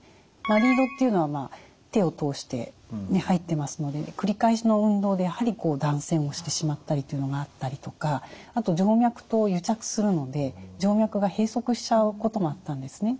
リードっていうのは手を通して入ってますので繰り返しの運動でやはり断線をしてしまったりというのがあったりとかあと静脈と癒着するので静脈が閉塞しちゃうこともあったんですね。